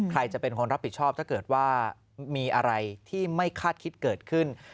ใครจะเป็นคนรับผิดชอบถ้าเกิดว่ามีอะไรที่ไม่คาดคิดเกิดขึ้น